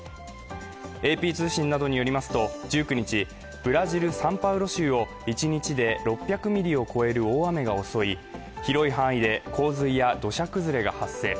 ＡＰ通信などによりますと、１９日ブラジル・サンパウロ州を１日で６００ミリを超える大雨が襲い広い範囲で洪水や土砂崩れが発生。